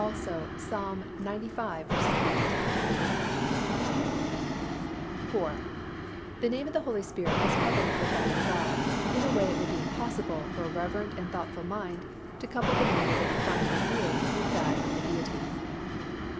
also Ps. xcv. 8 11). IV. _The name of the Holy Spirit is coupled with that of God in a way it would be impossible for a reverent and thoughtful mind to couple the name of any finite being with that of the Deity.